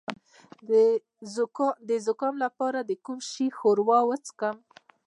د زکام لپاره د کوم شي ښوروا وڅښم؟